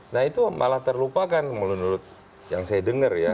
nah itu malah terlupakan menurut yang saya dengar ya